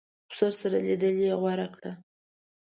خسر سره اوسېدل یې غوره کړه.